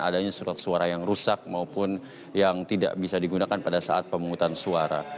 adanya surat suara yang rusak maupun yang tidak bisa digunakan pada saat pemungutan suara